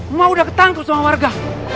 emak udah ketangtu sama warga